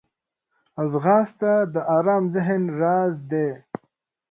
ځغاسته د ارام ذهن راز دی